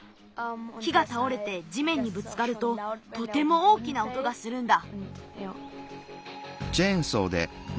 木がたおれてじめんにぶつかるととても大きな音がするんだ。